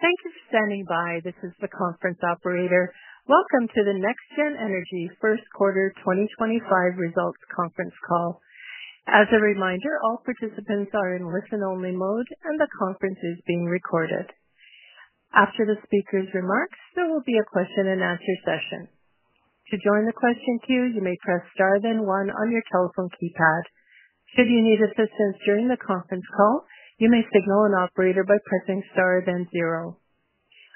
Thank you for standing by. This is the conference operator. Welcome to the NexGen Energy First Quarter 2025 Results Conference Call. As a reminder, all participants are in listen-only mode, and the conference is being recorded. After the speaker's remarks, there will be a Q&A session. To join the question queue, you may press star then one on your telephone keypad. Should you need assistance during the conference call, you may signal an operator by pressing star then zero.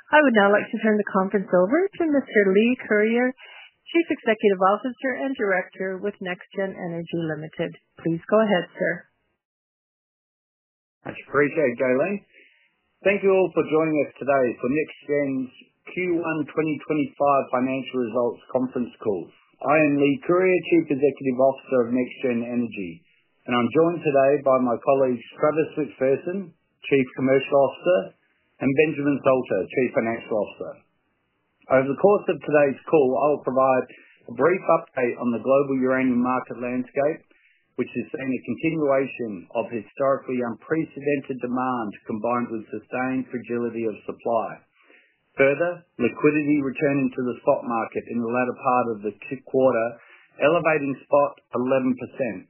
I would now like to turn the conference over to Mr. Leigh Curyer, Chief Executive Officer and Director with NexGen Energy Limited. Please go ahead, sir. That's appreciated, Kaitlyn. Thank you all for joining us today for NexGen's Q1 2025 Financial Results Conference Call. I am Leigh Curyer, Chief Executive Officer of NexGen Energy, and I'm joined today by my colleagues, Travis McPherson, Chief Commercial Officer, and Benjamin Salter, Chief Financial Officer. Over the course of today's call, I will provide a brief update on the global uranium market landscape, which is seeing a continuation of historically unprecedented demand combined with sustained fragility of supply. Further, liquidity returning to the spot market in the latter part of the quarter, elevating spot 11%.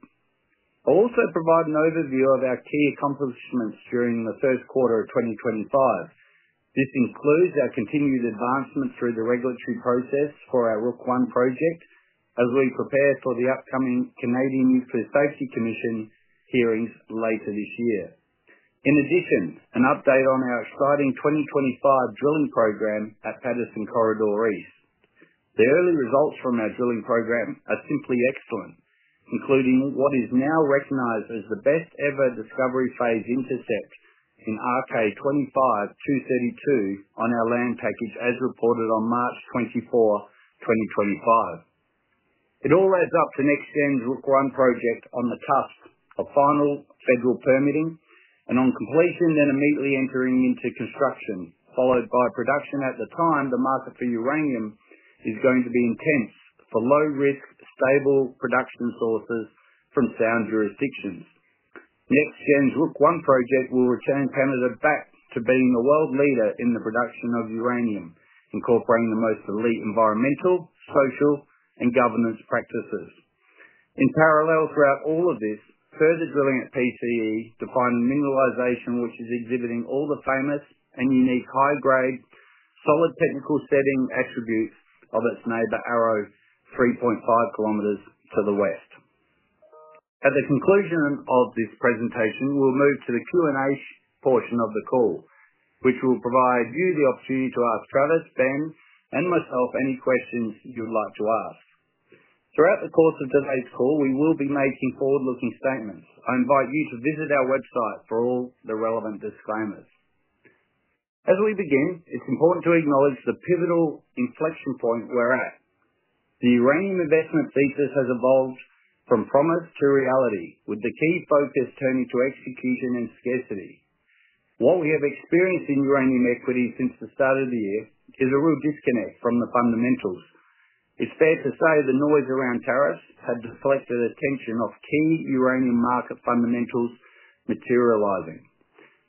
I'll also provide an overview of our key accomplishments during the first quarter of 2025. This includes our continued advancement through the regulatory process for our Rook I project as we prepare for the upcoming Canadian Nuclear Safety Commission hearings later this year. In addition, an update on our exciting 2025 drilling program at Patterson Corridor East. The early results from our drilling program are simply excellent, including what is now recognized as the best-ever discovery phase intercept in RK-25-232 on our land package as reported on March 24, 2025. It all adds up to NexGen's Rook I project on the cusp of final federal permitting and on completion, then immediately entering into construction, followed by production at the time the market for uranium is going to be intense for low-risk, stable production sources from sound jurisdictions. NexGen's Rook I project will return Canada back to being a world leader in the production of uranium, incorporating the most elite environmental, social, and governance practices. In parallel, throughout all of this, further drilling at PCE defines mineralization, which is exhibiting all the famous and unique high-grade, solid technical setting attributes of its neighbor, Arrow, 3.5 km to the west. At the conclusion of this presentation, we will move to the Q&A portion of the call, which will provide you the opportunity to ask Travis, Ben, and myself any questions you would like to ask. Throughout the course of today's call, we will be making forward-looking statements. I invite you to visit our website for all the relevant disclaimers. As we begin, it is important to acknowledge the pivotal inflection point we are at. The uranium investment thesis has evolved from promise to reality, with the key focus turning to execution and scarcity. What we have experienced in uranium equities since the start of the year is a real disconnect from the fundamentals. It's fair to say the noise around tariffs had deflected attention off key uranium market fundamentals materializing.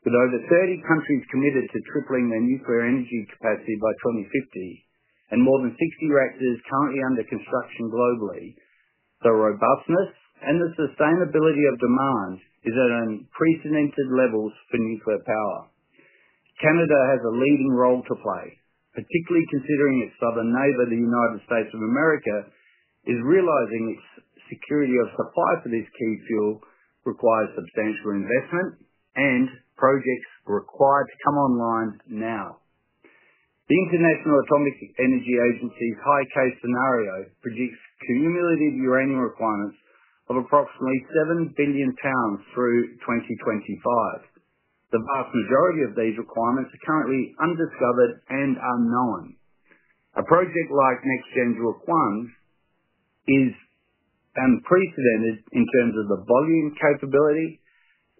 With over 30 countries committed to tripling their nuclear energy capacity by 2050 and more than 60 reactors currently under construction globally, the robustness and the sustainability of demand is at unprecedented levels for nuclear power. Canada has a leading role to play, particularly considering its southern neighbor, the U.S., is realizing its security of supply for this key fuel requires substantial investment and projects required to come online now. The International Atomic Energy Agency's high-case scenario predicts cumulative uranium requirements of approximately 7 billion pounds through 2025. The vast majority of these requirements are currently undiscovered and unknown. A project like NexGen's Rook I is unprecedented in terms of the volume, capability,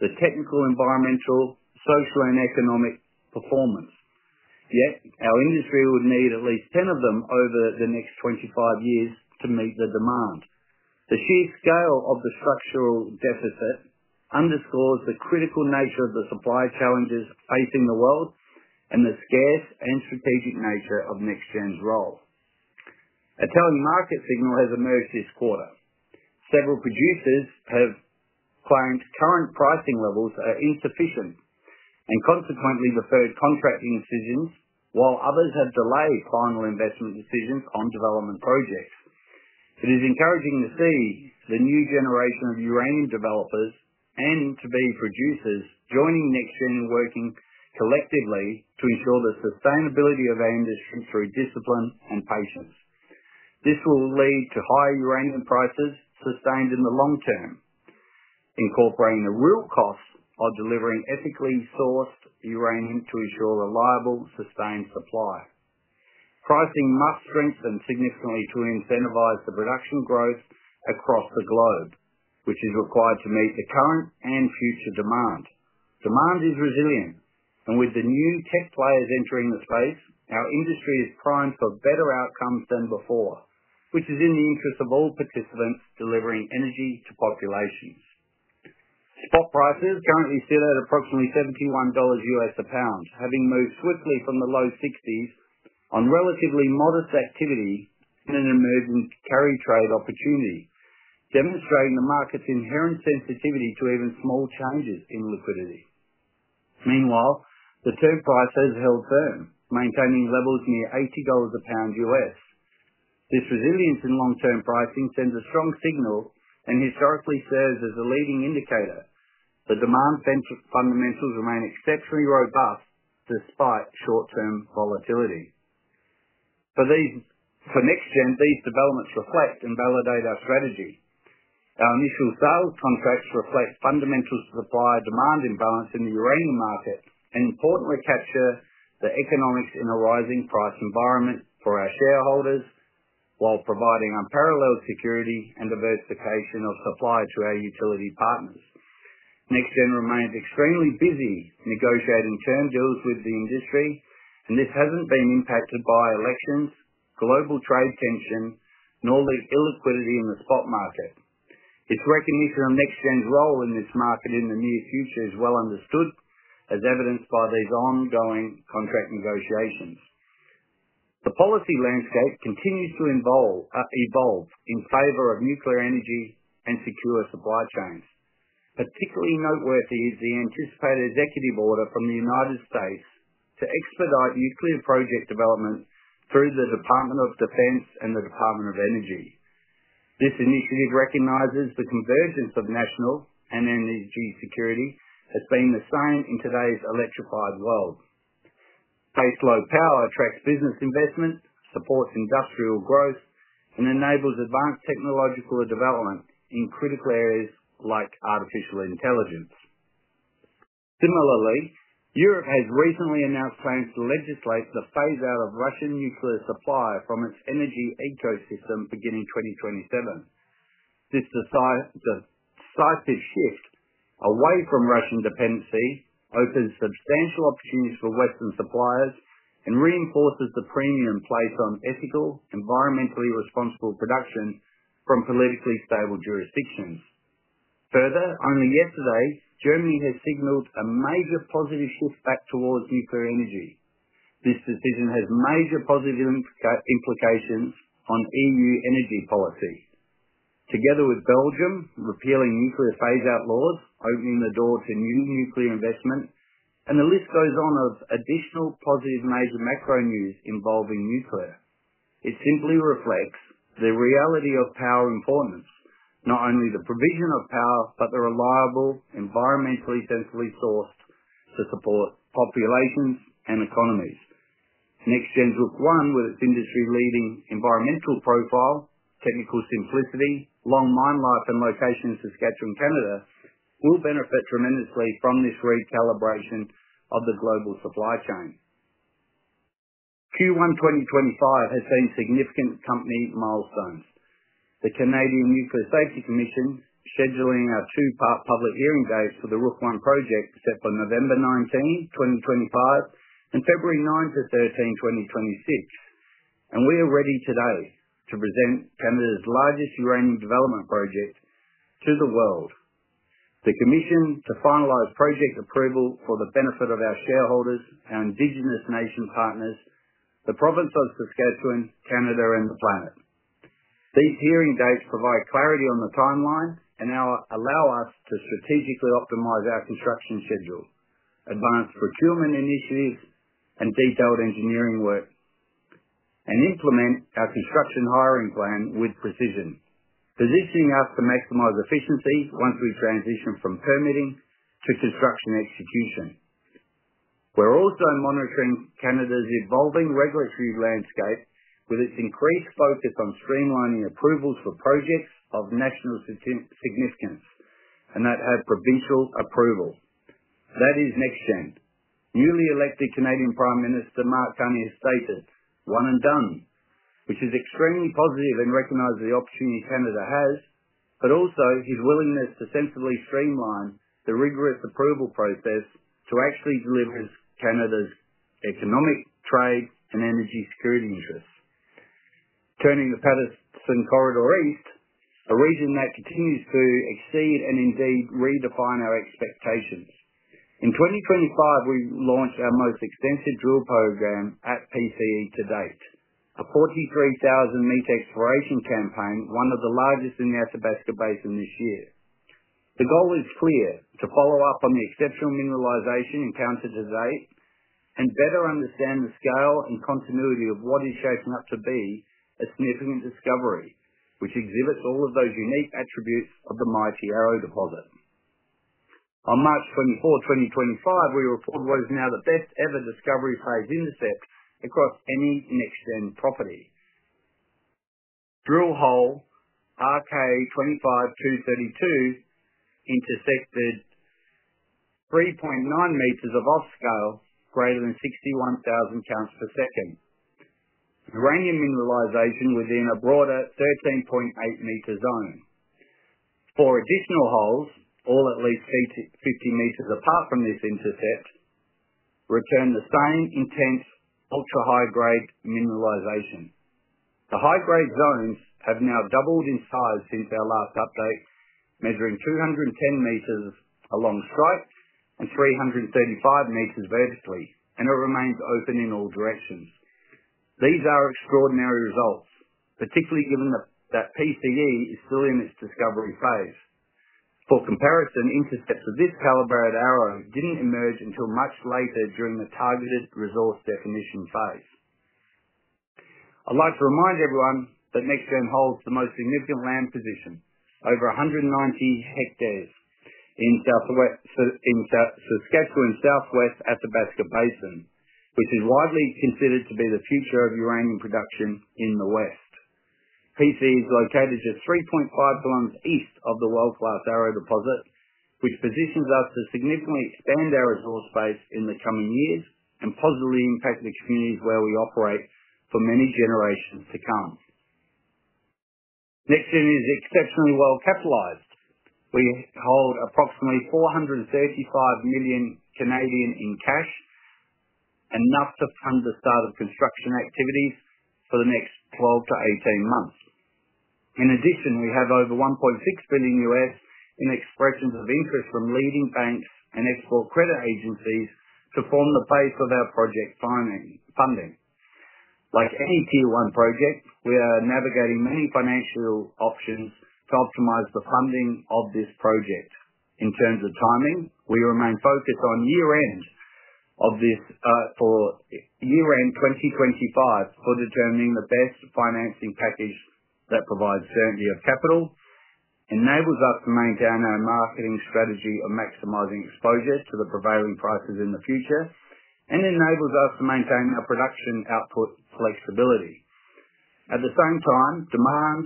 the technical, environmental, social, and economic performance. Yet our industry would need at least 10 of them over the next 25 years to meet the demand. The sheer scale of the structural deficit underscores the critical nature of the supply challenges facing the world and the scarce and strategic nature of NexGen's role. A telling market signal has emerged this quarter. Several producers have claimed current pricing levels are insufficient and consequently deferred contracting decisions, while others have delayed final investment decisions on development projects. It is encouraging to see the new generation of uranium developers and to-be producers joining NexGen and working collectively to ensure the sustainability of our industry through discipline and patience. This will lead to higher uranium prices sustained in the long term, incorporating the real costs of delivering ethically sourced uranium to ensure reliable, sustained supply. Pricing must strengthen significantly to incentivize the production growth across the globe, which is required to meet the current and future demand. Demand is resilient, and with the new tech players entering the space, our industry is primed for better outcomes than before, which is in the interest of all participants delivering energy to populations. Spot prices currently sit at approximately $71 a pound, having moved swiftly from the low 60s on relatively modest activity in an emerging carry trade opportunity, demonstrating the market's inherent sensitivity to even small changes in liquidity. Meanwhile, the term price has held firm, maintaining levels near $80 a pound. This resilience in long-term pricing sends a strong signal and historically serves as a leading indicator. The demand fundamentals remain exceptionally robust despite short-term volatility. For NexGen, these developments reflect and validate our strategy. Our initial sales contracts reflect fundamental supply-demand imbalance in the uranium market and importantly capture the economics in a rising price environment for our shareholders while providing unparalleled security and diversification of supply to our utility partners. NexGen remains extremely busy negotiating term deals with the industry, and this has not been impacted by elections, global trade tension, nor the illiquidity in the spot market. Its recognition of NexGen's role in this market in the near future is well understood, as evidenced by these ongoing contract negotiations. The policy landscape continues to evolve in favor of nuclear energy and secure supply chains. Particularly noteworthy is the anticipated executive order from the U.S. to expedite nuclear project development through the Department of Defense and the Department of Energy. This initiative recognizes the convergence of national and energy security has been the same in today's electrified world. Baseload Power attracts business investment, supports industrial growth, and enables advanced technological development in critical areas like artificial intelligence. Similarly, Europe has recently announced plans to legislate the phase-out of Russian nuclear supply from its energy ecosystem beginning 2027. This decisive shift away from Russian dependency opens substantial opportunities for Western suppliers and reinforces the premium placed on ethical, environmentally responsible production from politically stable jurisdictions. Further, only yesterday, Germany has signaled a major positive shift back towards nuclear energy. This decision has major positive implications on EU energy policy, together with Belgium repealing nuclear phase-out laws, opening the door to new nuclear investment, and the list goes on of additional positive major macro news involving nuclear. It simply reflects the reality of power importance, not only the provision of power but the reliable, environmentally sensibly sourced. To support populations and economies, NexGen's Rook I, with its industry-leading environmental profile, technical simplicity, long mine life, and location in Saskatchewan, Canada, will benefit tremendously from this recalibration of the global supply chain. Q1 2025 has seen significant company milestones. The Canadian Nuclear Safety Commission is scheduling our two-part public hearing days for the Rook I project, set for November 19, 2025, and February 9 to 13, 2026. We are ready today to present Canada's largest uranium development project to the world. The Commission to finalize project approval for the benefit of our shareholders, our Indigenous Nation partners, the province of Saskatchewan, Canada, and the planet. These hearing dates provide clarity on the timeline and allow us to strategically optimize our construction schedule, advance procurement initiatives and detailed engineering work, and implement our construction hiring plan with precision, positioning us to maximize efficiency once we transition from permitting to construction execution. We're also monitoring Canada's evolving regulatory landscape with its increased focus on streamlining approvals for projects of national significance and that have provincial approval. That is NexGen. Newly elected Canadian Prime Minister Mark Carney has stated, "One and done," which is extremely positive and recognizes the opportunity Canada has, but also his willingness to sensibly streamline the rigorous approval process to actually deliver Canada's economic, trade, and energy security interests. Turning to the Patterson Corridor East, a region that continues to exceed and indeed redefine our expectations. In 2025, we launched our most extensive drill program at PCE to date, a 43,000-metre exploration campaign, one of the largest in the Athabasca Basin this year. The goal is clear: to follow up on the exceptional mineralization encountered to date and better understand the scale and continuity of what is shaping up to be a significant discovery, which exhibits all of those unique attributes of the mighty Arrow deposit. On March 24, 2025, we report what is now the best-ever discovery phase intercept across any NexGen property. Drill hole RK-25-232 intercepted 3.9 meters of off-scale greater than 61,000 counts per second. Uranium mineralization within a broader 13.8-meter zone. Four additional holes, all at least 50 meters apart from this intercept, return the same intense ultra-high-grade mineralization. The high-grade zones have now doubled in size since our last update, measuring 210 meters along strike and 335 meters vertically, and it remains open in all directions. These are extraordinary results, particularly given that PCE is still in its discovery phase. For comparison, intercepts of this calibre at Arrow did not emerge until much later during the targeted resource definition phase. I'd like to remind everyone that NexGen holds the most significant land position, over 190 hectares, in Saskatchewan's southwest Athabasca Basin, which is widely considered to be the future of uranium production in the West. PCE is located just 3.5 km east of the world-class Arrow deposit, which positions us to significantly expand our resource base in the coming years and positively impact the communities where we operate for many generations to come. NexGen is exceptionally well capitalized. We hold approximately 435 million in cash, enough to fund the start of construction activities for the next 12-18 months. In addition, we have over $1.6 billion in expressions of interest from leading banks and export credit agencies to form the base of our project funding. Like any Tier one project, we are navigating many financial options to optimize the funding of this project. In terms of timing, we remain focused on year-end 2025 for determining the best financing package that provides certainty of capital, enables us to maintain our marketing strategy of maximizing exposure to the prevailing prices in the future, and enables us to maintain our production output flexibility. At the same time, demand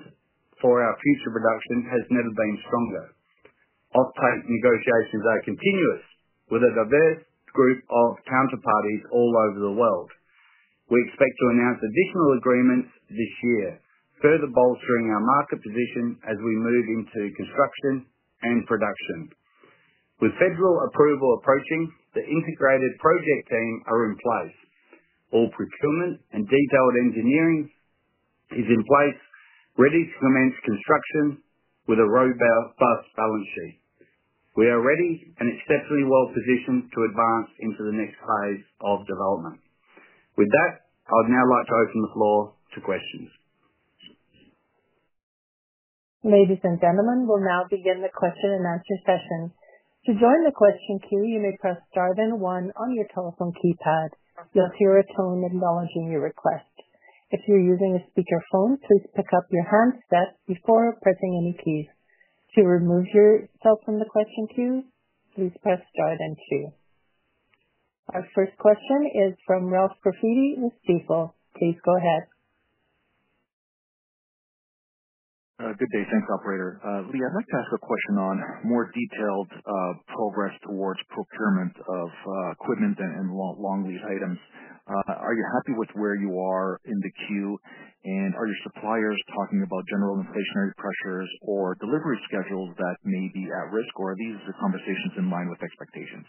for our future production has never been stronger. Off-take negotiations are continuous with a diverse group of counterparties all over the world. We expect to announce additional agreements this year, further bolstering our market position as we move into construction and production. With federal approval approaching, the integrated project team are in place. All procurement and detailed engineering is in place, ready to commence construction with a robust balance sheet. We are ready and exceptionally well positioned to advance into the next phase of development. With that, I would now like to open the floor to questions Ladies and gentlemen, we'll now begin the question and answer session. To join the question queue, you may press star then one on your telephone keypad. You'll hear a tone acknowledging your request. If you're using a speakerphone, please pick up your handset before pressing any keys. To remove yourself from the question queue, please press star then two. Our first question is from Ralph Profiti with Stifel. Please go ahead. Good day, thanks Operator. Leigh, I'd like to ask a question on more detailed progress towards procurement of equipment and long-lead items. Are you happy with where you are in the queue, and are your suppliers talking about general inflationary pressures or delivery schedules that may be at risk, or are these conversations in line with expectations?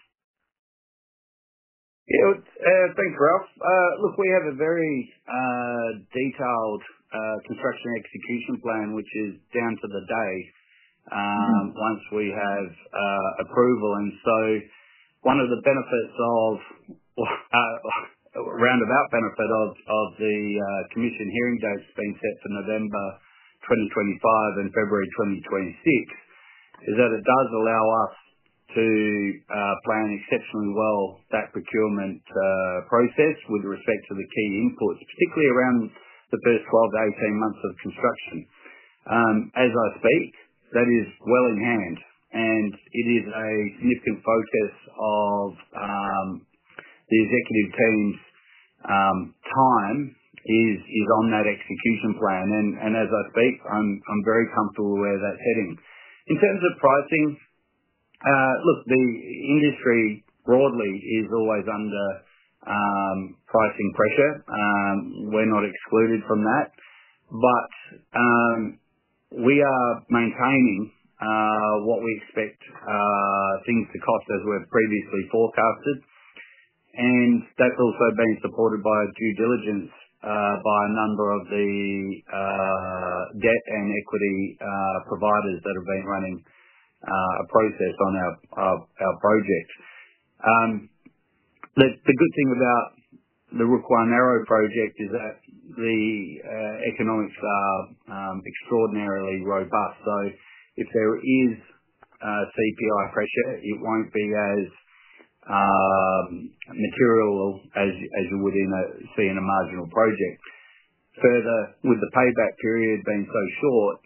Yeah, thanks, Ralph. Look, we have a very detailed construction execution plan, which is down to the day once we have approval. One of the benefits of, or roundabout benefit of, the Commission hearing dates being set for November 2025 and February 2026 is that it does allow us to plan exceptionally well that procurement process with respect to the key inputs, particularly around the first 12 to 18 months of construction. As I speak, that is well in hand, and it is a significant focus of the executive team's time is on that execution plan. As I speak, I'm very comfortable where that's heading. In terms of pricing, look, the industry broadly is always under pricing pressure. We're not excluded from that, but we are maintaining what we expect things to cost as we've previously forecasted. That's also been supported by due diligence by a number of the debt and equity providers that have been running a process on our project. The good thing about the Rook I Arrow project is that the economics are extraordinarily robust. If there is CPI pressure, it won't be as material as you would see in a marginal project. Further, with the payback period being so short,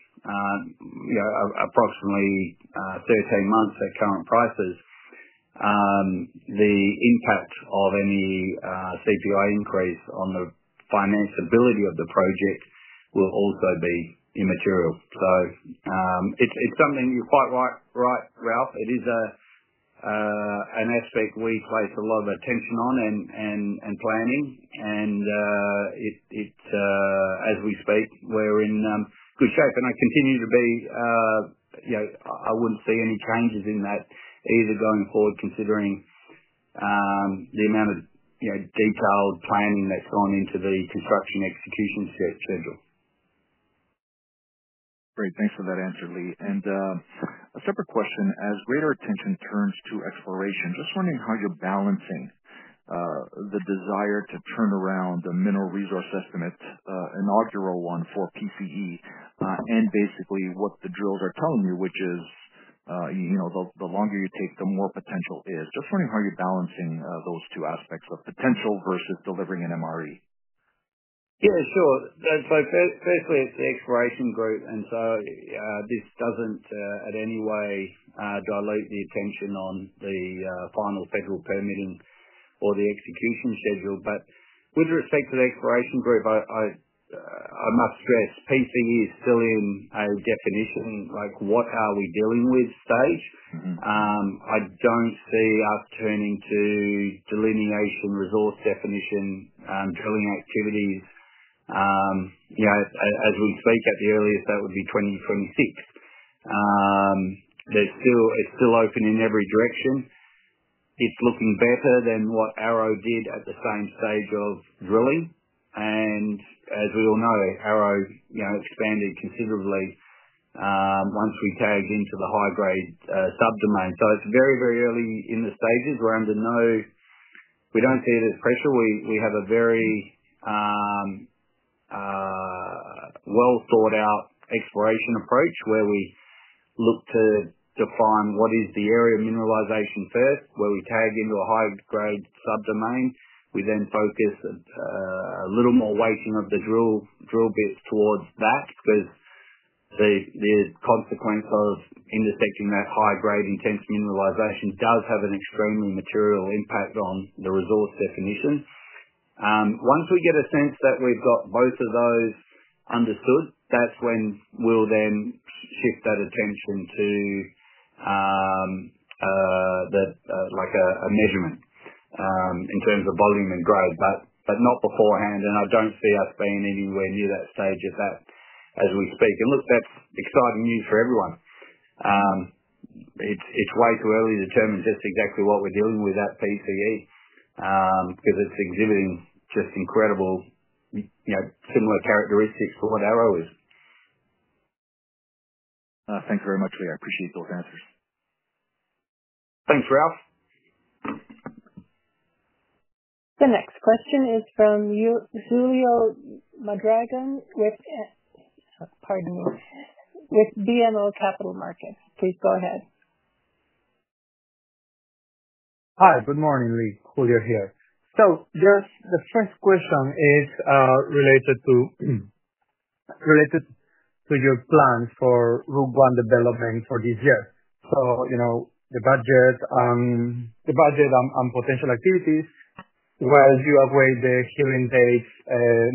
approximately 13 months at current prices, the impact of any CPI increase on the finance ability of the project will also be immaterial. It is something you're quite right, Ralph. It is an aspect we place a lot of attention on and planning. As we speak, we're in good shape. I continue to be—I wouldn't see any changes in that either going forward, considering the amount of detailed planning that's gone into the construction execution schedule. Great. Thanks for that answer, Leigh. A separate question, as greater attention turns to exploration, just wondering how you're balancing the desire to turn around the mineral resource estimate, inaugural one for PCE, and basically what the drills are telling you, which is the longer you take, the more potential is. Just wondering how you're balancing those two aspects of potential versus delivering an MRE. Yeah, sure. So firstly, it's the exploration group, and so this does not in any way dilute the attention on the final federal permitting or the execution schedule. With respect to the exploration group, I must stress PCE is still in a definition, like what are we dealing with stage. I do not see us turning to delineation resource definition drilling activities as we speak. At the earliest, that would be 2026. It is still open in every direction. It is looking better than what Arrow did at the same stage of drilling. As we all know, Arrow expanded considerably once we tagged into the high-grade subdomain. It is very, very early in the stages. We are under no—we do not see it as pressure. We have a very well-thought-out exploration approach where we look to define what is the area of mineralization first, where we tag into a high-grade subdomain. We then focus a little more weighting of the drill bits towards that because the consequence of intersecting that high-grade, intense mineralization does have an extremely material impact on the resource definition. Once we get a sense that we've got both of those understood, that's when we'll then shift that attention to a measurement in terms of volume and grade, but not beforehand. I don't see us being anywhere near that stage as we speak. Look, that's exciting news for everyone. It's way too early to determine just exactly what we're dealing with at PCE because it's exhibiting just incredible similar characteristics to what Arrow is. Thanks very much, Leigh. I appreciate those answers. Thanks, Ralph. The next question is from Julio Mondragon with, pardon me, with BMO Capital Markets. Please go ahead. Hi, good morning, Leigh. Julio here. So the first question is related to your plans for Rook I development for this year. So the budget and potential activities. Whereas you await the hearing dates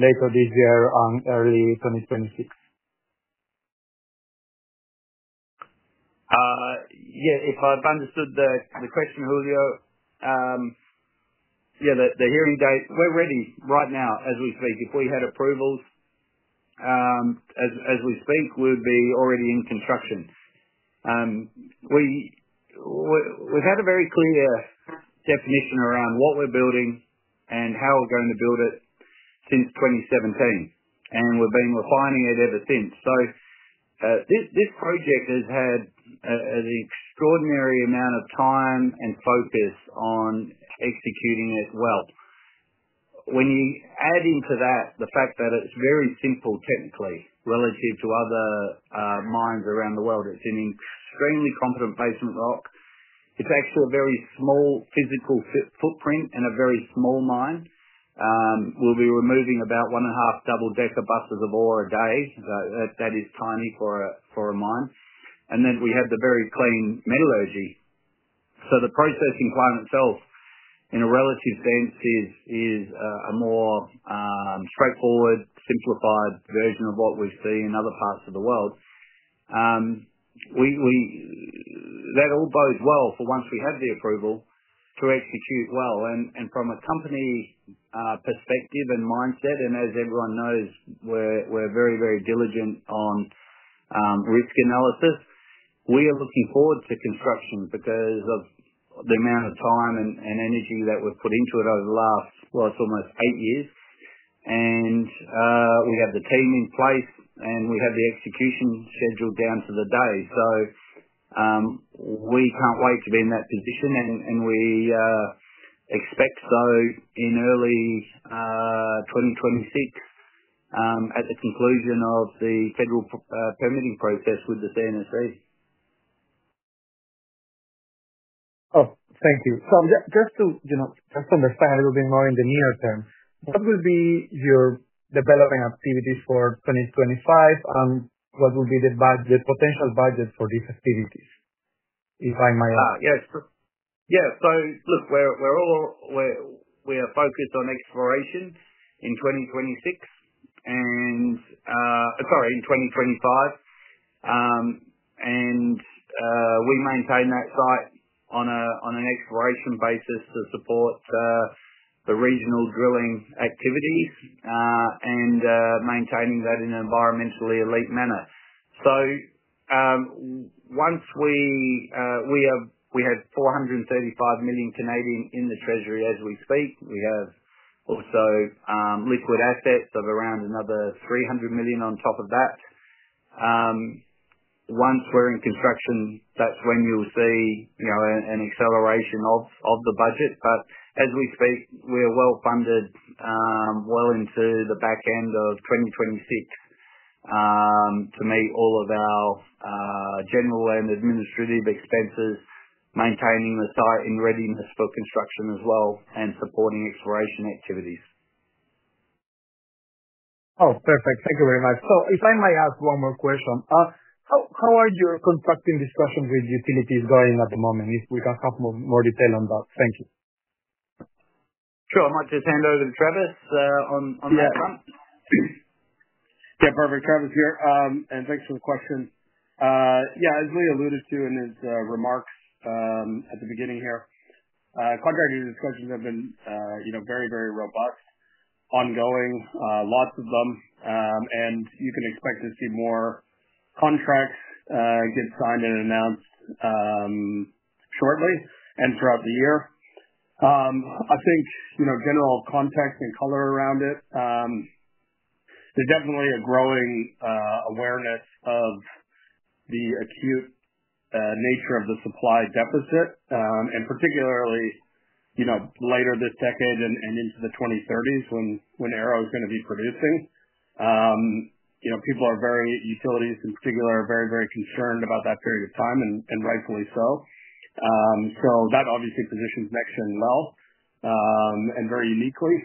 later this year and early 2026. Yeah, if I've understood the question, Julio, yeah, the hearing date, we're ready right now as we speak. If we had approvals as we speak, we'd be already in construction. We've had a very clear definition around what we're building and how we're going to build it since 2017, and we've been refining it ever since. This project has had an extraordinary amount of time and focus on executing it well. When you add into that the fact that it is very simple technically relative to other mines around the world, it is an extremely competent basement rock. It is actually a very small physical footprint and a very small mine. We will be removing about one and a half double-decker buses of ore a day. That is tiny for a mine. We have the very clean metallurgy. The processing plant itself in a relative sense is a more straightforward, simplified version of what we see in other parts of the world. That all bodes well for once we have the approval to execute well. From a company perspective and mindset, and as everyone knows, we are very, very diligent on risk analysis. We are looking forward to construction because of the amount of time and energy that we have put into it over the last, well, it is almost eight years. We have the team in place, and we have the execution scheduled down to the day. We cannot wait to be in that position, and we expect so in early 2026 at the conclusion of the federal permitting process with the CNSC. Thank you. Just to understand a little bit more in the near term, what will be your development activities for 2025, and what will be the potential budget for these activities, if I may ask? Yeah. Look, we are focused on exploration in 2026, and sorry, in 2025. We maintain that site on an exploration basis to support the regional drilling activities and maintaining that in an environmentally elite manner. We have 435 million in the treasury as we speak. We have also liquid assets of around another 300 million on top of that. Once we're in construction, that's when you'll see an acceleration of the budget. As we speak, we are well funded, well into the back end of 2026 to meet all of our general and administrative expenses, maintaining the site in readiness for construction as well, and supporting exploration activities. Oh, perfect. Thank you very much. If I may ask one more question, how are your contracting discussions with utilities going at the moment? If we can have more detail on that, thank you. Sure. I might just hand over to Travis on that front. Yeah, perfect. Travis here, and thanks for the question. Yeah, as Leigh alluded to in his remarks at the beginning here, contracting discussions have been very, very robust, ongoing, lots of them. You can expect to see more contracts get signed and announced shortly and throughout the year. I think general context and color around it, there's definitely a growing awareness of the acute nature of the supply deficit, and particularly later this decade and into the 2030s when Arrow is going to be producing. People are very, utilities in particular, are very, very concerned about that period of time, and rightfully so. That obviously positions NexGen well and very uniquely.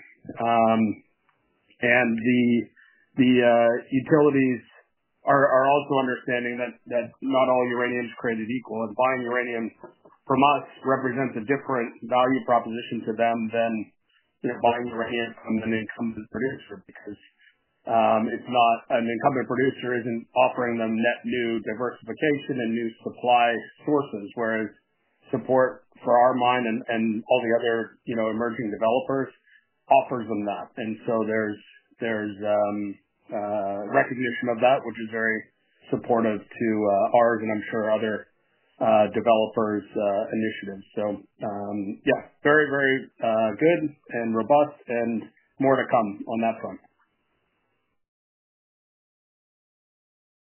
The utilities are also understanding that not all uranium is created equal, and buying uranium from us represents a different value proposition to them than buying uranium from an incumbent producer because an incumbent producer isn't offering them net new diversification and new supply sources, whereas support for our mine and all the other emerging developers offers them that. There is recognition of that, which is very supportive to ours and I'm sure other developers' initiatives. Yeah, very, very good and robust and more to come on that front.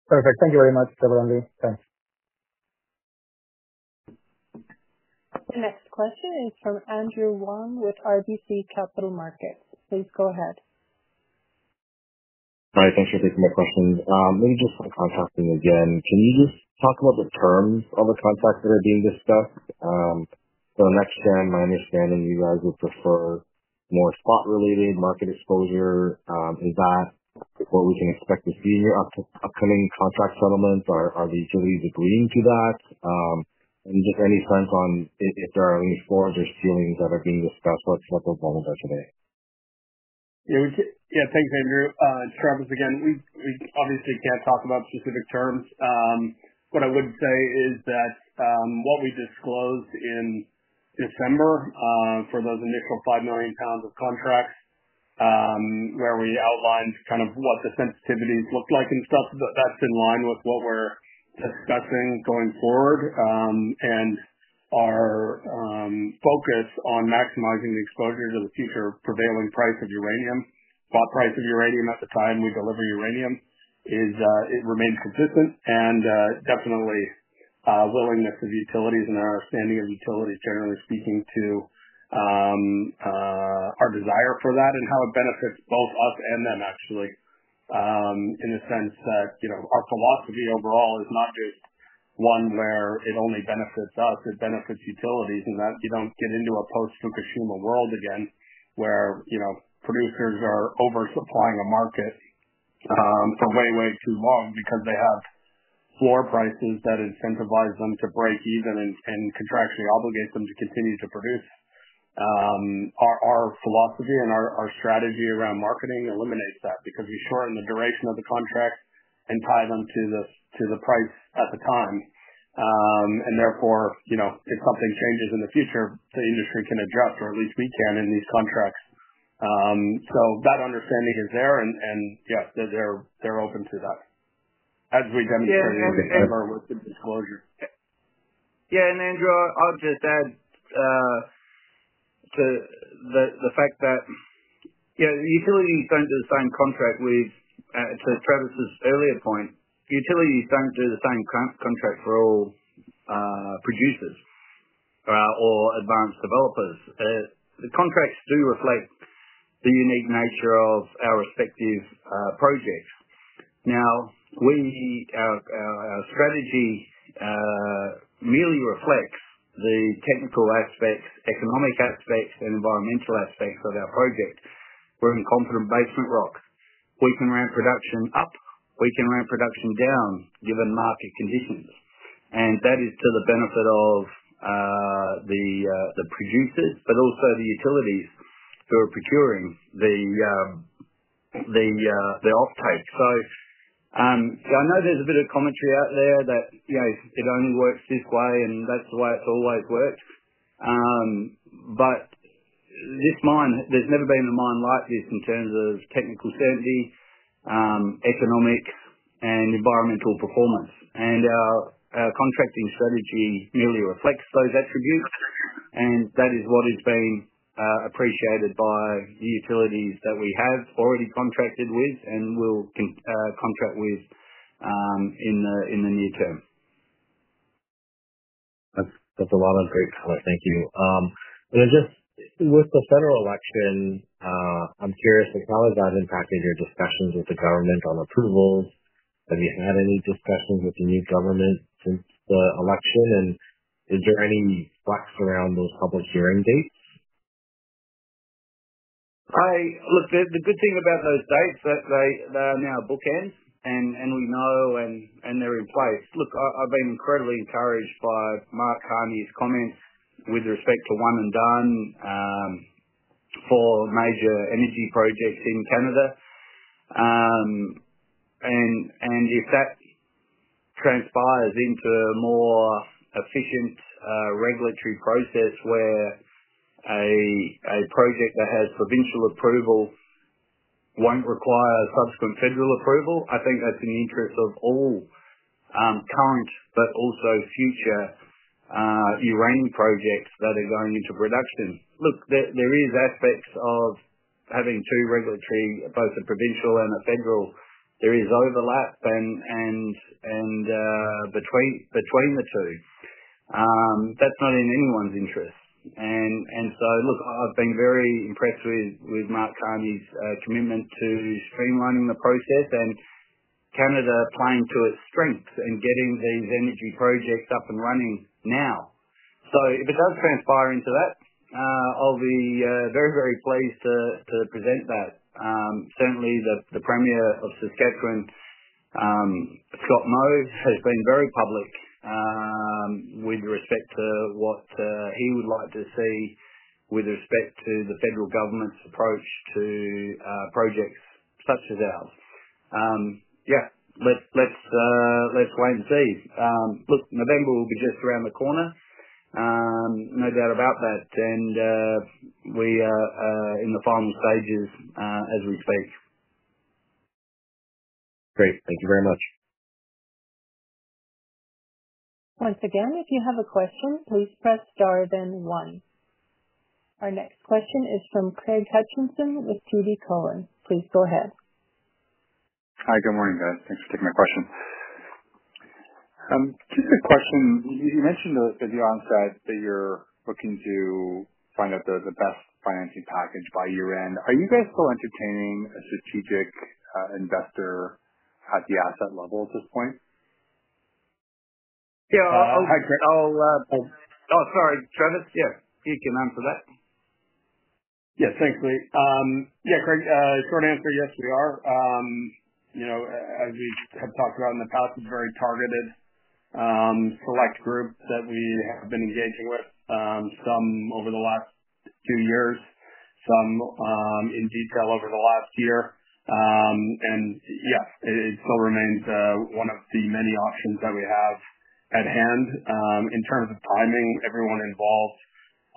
Perfect. Thank you very much, everyone. Thanks. The next question is from Andrew Wong with RBC Capital Markets. Please go ahead Hi, thanks for taking my question. Maybe, just on contracting again, can you just talk about the terms of the contracts that are being discussed? So NexGen, my understanding you guys would prefer more spot-related market exposure. Is that what we can expect to see in your upcoming contract settlements? Are the utilities agreeing to that? And just any sense on if there are any floors or ceilings that are being discussed? What's the level of vulnerability today? Yeah, thanks, Andrew. Travis, again, we obviously can't talk about specific terms. What I would say is that what we disclosed in December for those initial 5 million pounds of contracts where we outlined kind of what the sensitivities looked like and stuff, that is in line with what we are discussing going forward and our focus on maximizing the exposure to the future prevailing price of uranium, spot price of uranium at the time we deliver uranium, it remains consistent and definitely willingness of utilities and our understanding of utilities, generally speaking, to our desire for that and how it benefits both us and them, actually, in the sense that our philosophy overall is not just one where it only benefits us, it benefits utilities, and that you do not get into a post-Fukushima world again where producers are oversupplying a market for way, way too long because they have floor prices that incentivize them to break even and contractually obligate them to continue to produce. Our philosophy and our strategy around marketing eliminates that because we shorten the duration of the contract and tie them to the price at the time. Therefore, if something changes in the future, the industry can adjust, or at least we can in these contracts. That understanding is there, and yeah, they're open to that as we demonstrate in December with the disclosure. Yeah. Andrew, I'll just add to the fact that utilities do not do the same contract with, to Travis's earlier point, utilities do not do the same contract for all producers or advanced developers. The contracts do reflect the unique nature of our respective projects. Now, our strategy merely reflects the technical aspects, economic aspects, and environmental aspects of our project. We're in competent basement rock. We can ramp production up. We can ramp production down given market conditions. That is to the benefit of the producers, but also the utilities who are procuring the offtake. I know there's a bit of commentary out there that it only works this way, and that's the way it's always worked. This mine, there's never been a mine like this in terms of technical certainty, economic, and environmental performance. Our contracting strategy merely reflects those attributes, and that is what has been appreciated by the utilities that we have already contracted with and will contract with in the near term. That's a lot of great color. Thank you. Just with the federal election, I'm curious how has that impacted your discussions with the government on approvals? Have you had any discussions with the new government since the election? Is there any flex around those public hearing dates? Look, the good thing about those dates is that they are now bookend, and we know they're in place. Look, I've been incredibly encouraged by Mark Carney's comments with respect to one and done for major energy projects in Canada. If that transpires into a more efficient regulatory process where a project that has provincial approval won't require subsequent federal approval, I think that's in the interest of all current but also future uranium projects that are going into production. Look, there are aspects of having two regulatories, both a provincial and a federal. There is overlap between the two. That's not in anyone's interest. Look, I've been very impressed with Mark Carney's commitment to streamlining the process and Canada playing to its strength and getting these energy projects up and running now. If it does transpire into that, I'll be very, very pleased to present that. Certainly, the Premier of Saskatchewan, Scott Moe, has been very public with respect to what he would like to see with respect to the federal government's approach to projects such as ours. Yeah, let's wait and see. Look, November will be just around the corner, no doubt about that. We are in the final stages as we speak. Great. Thank you very much. Once again, if you have a question, please press star then one. Our next question is from Craig Hutchison with TD Cowen. Please go ahead. Hi, good morning, guys. Thanks for taking my question. Just a question. You mentioned at the onset that you're looking to find out the best financing package by year-end. Are you guys still entertaining a strategic investor at the asset level at this point? Yeah. Oh, sorry. Travis, yeah, you can answer that. Yes, thanks, Leigh. Yeah, Craig, short answer, yes, we are. As we have talked about in the past, it's a very targeted select group that we have been engaging with, some over the last few years, some in detail over the last year. Yeah, it still remains one of the many options that we have at hand. In terms of timing, everyone involved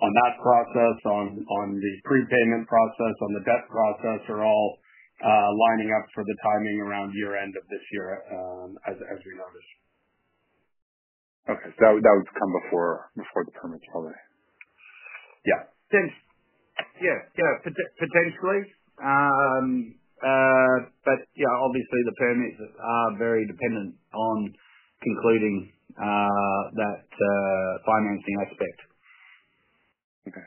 on that process, on the prepayment process, on the debt process, are all lining up for the timing around year-end of this year, as we noticed. Okay. That would come before the permits, probably. Yeah. Potentially. Yeah, obviously, the permits are very dependent on concluding that financing aspect. Okay.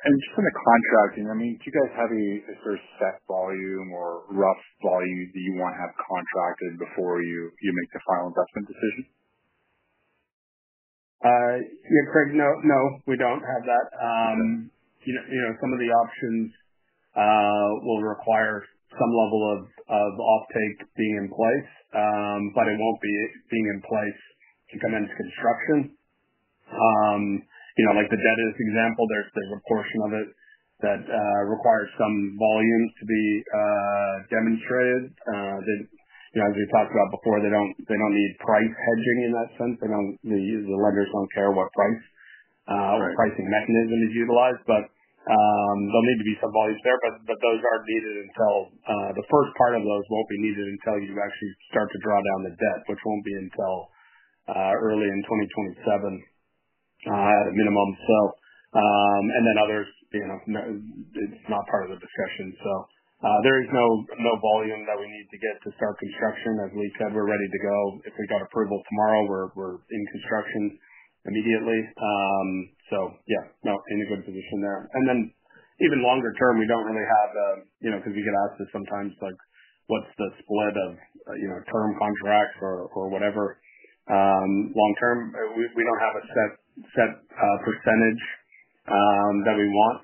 Just on the contracting, I mean, do you guys have a sort of set volume or rough volume that you want to have contracted before you make the final investment decision? Yeah, Craig, no, we do not have that. Some of the options will require some level of offtake being in place, but it will not be being in place to commence construction. Like the debtor's example, there is a portion of it that requires some volumes to be demonstrated. As we talked about before, they do not need price hedging in that sense. The lenders do not care what price or pricing mechanism is utilized, but there will need to be some volumes there. Those are not needed until the first part of those will not be needed until you actually start to draw down the debt, which will not be until early in 2027 at a minimum. Others, it's not part of the discussion. There is no volume that we need to get to start construction. As Leigh said, we're ready to go. If we got approval tomorrow, we're in construction immediately. Yeah, in a good position there. Even longer term, we don't really have a, because we get asked this sometimes, like, "What's the split of term contracts or whatever?" Long term, we don't have a set percentage that we want.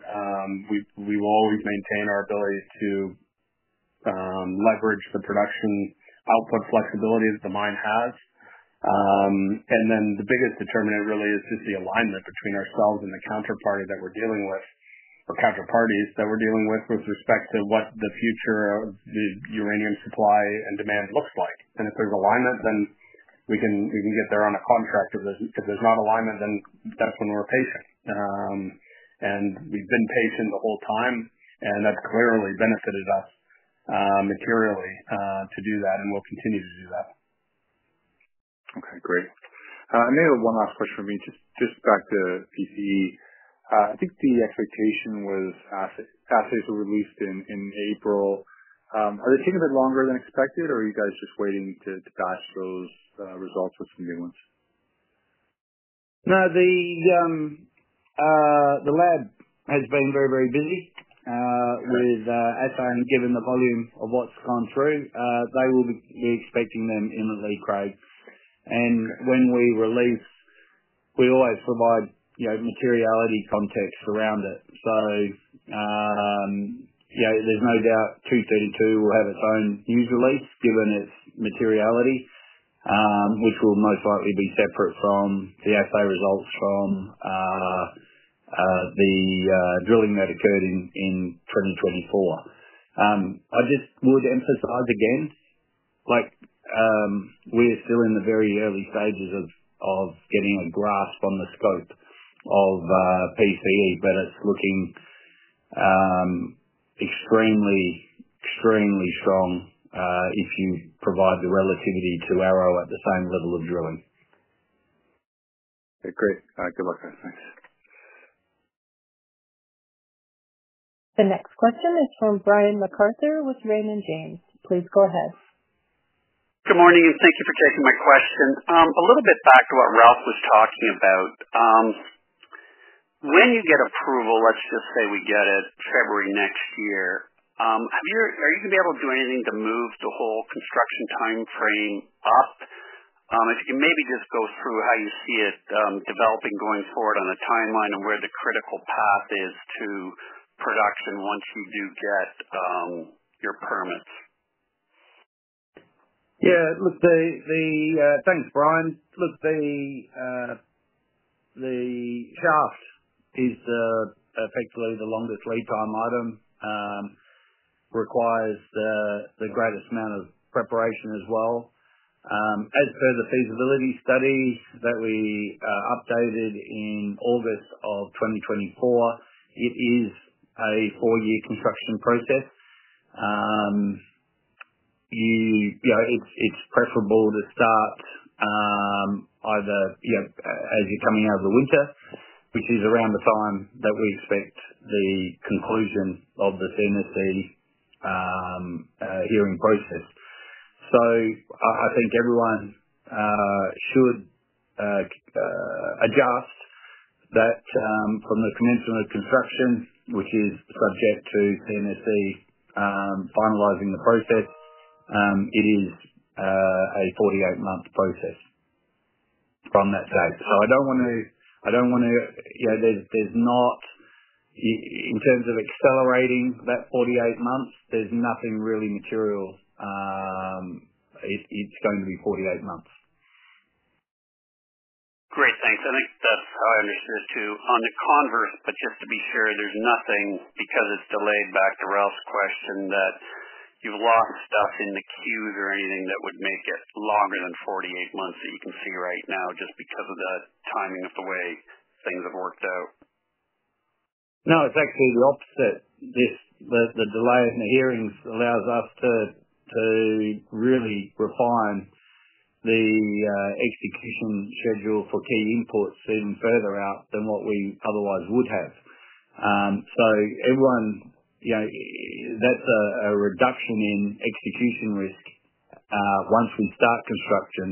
We will always maintain our ability to leverage the production output flexibility that the mine has. The biggest determinant really is just the alignment between ourselves and the counterparty that we're dealing with or counterparties that we're dealing with with respect to what the future of the uranium supply and demand looks like. If there's alignment, then we can get there on a contract. If there's not alignment, then that's when we're patient. We've been patient the whole time, and that's clearly benefited us materially to do that, and we'll continue to do that. Okay. Great. Maybe one last question for me, just back to PCE. I think the expectation was assays were released in April. Are they taking a bit longer than expected, or are you guys just waiting to batch those results with some new ones? No, the lab has been very, very busy. As I'm given the volume of what's gone through, they will be expecting them imminently, Craig. When we release, we always provide materiality context around it. There's no doubt 232 will have its own news release given its materiality, which will most likely be separate from the assay results from the drilling that occurred in 2024. I just would emphasize again, we're still in the very early stages of getting a grasp on the scope of PCE, but it's looking extremely, extremely strong if you provide the relativity to Arrow at the same level of drilling. Okay. Great. Good luck, guys. Thanks. The next question is from Brian MacArthur with Raymond James. Please go ahead. Good morning, and thank you for taking my question. A little bit back to what Ralph was talking about. When you get approval, let's just say we get it February next year, are you going to be able to do anything to move the whole construction timeframe up? If you can maybe just go through how you see it developing going forward on a timeline and where the critical path is to production once you do get your permits. Yeah. Look, thanks, Brian. Look, the shaft is effectively the longest lead time item, requires the greatest amount of preparation as well. As per the feasibility study that we updated in August of 2024, it is a four-year construction process. It's preferable to start either as you're coming out of the winter, which is around the time that we expect the conclusion of the CNSC hearing process. I think everyone should adjust that from the commencement of construction, which is subject to CNSC finalizing the process. It is a 48-month process from that date. I don't want to, there's not in terms of accelerating that 48 months, there's nothing really material. It's going to be 48 months. Great. Thanks. I think that's how I understood it too. On the converse, but just to be sure, there's nothing because it's delayed back to Ralph's question that you've lost stuff in the queues or anything that would make it longer than 48 months that you can see right now just because of the timing of the way things have worked out? No, it's actually the opposite. The delay in the hearings allows us to really refine the execution schedule for key inputs even further out than what we otherwise would have. So everyone, that's a reduction in execution risk once we start construction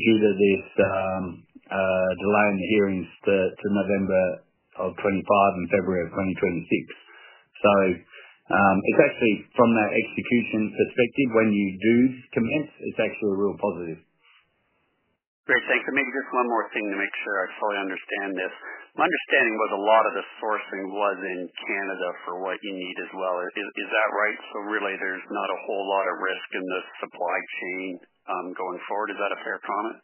due to this delay in the hearings to November of 2025 and February of 2026. So it's actually from that execution perspective, when you do commence, it's actually a real positive. Great. Thanks. And maybe just one more thing to make sure I fully understand this. My understanding was a lot of the sourcing was in Canada for what you need as well. Is that right? So really, there's not a whole lot of risk in the supply chain going forward. Is that a fair comment?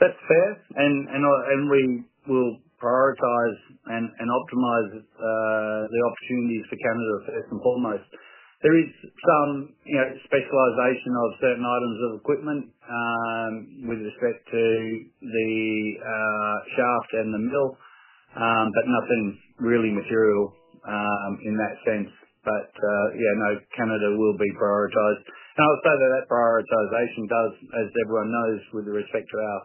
That's fair. And we will prioritize and optimize the opportunities for Canada first and foremost. There is some specialization of certain items of equipment with respect to the shaft and the mill, but nothing really material in that sense. Yeah, no, Canada will be prioritized. I would say that that prioritization does, as everyone knows, with respect to our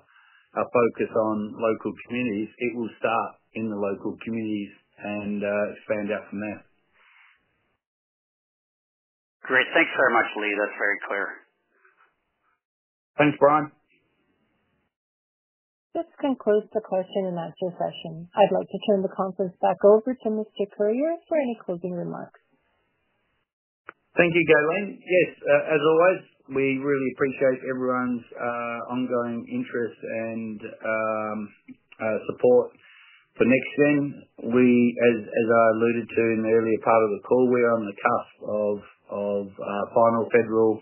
focus on local communities, it will start in the local communities and expand out from there. Great. Thanks very much, Leigh. That's very clear. Thanks, Brian. This concludes the question and answer session. I'd like to turn the conference back over to Mr. Curyer for any closing remarks. Thank you, Kaitlyn. Yes, as always, we really appreciate everyone's ongoing interest and support. For NexGen, as I alluded to in the earlier part of the call, we are on the cusp of final federal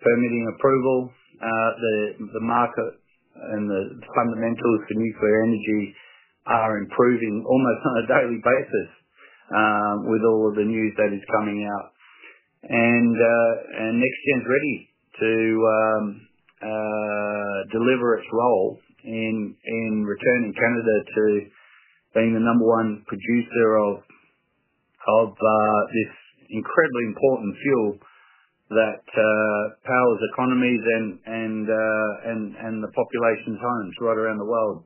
permitting approval. The market and the fundamentals for nuclear energy are improving almost on a daily basis with all of the news that is coming out. NexGen's ready to deliver its role in returning Canada to being the number one producer of this incredibly important fuel that powers economies and the populations' homes right around the world.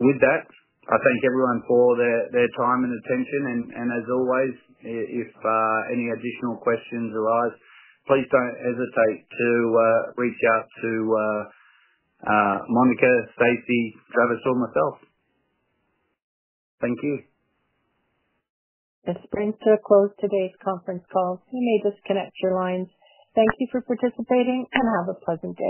With that, I thank everyone for their time and attention. As always, if any additional questions arise, please do not hesitate to reach out to Monica, Stacey, Travis, or myself. Thank you. This brings to a close today's conference call. We may disconnect your lines. Thank you for participating and have a pleasant day.